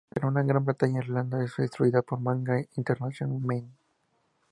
En Gran Bretaña e Irlanda es distribuida por Manga Entertainment.